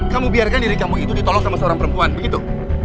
kamu biarkan diri kamu itu ditolong sama seorang perempuan begitu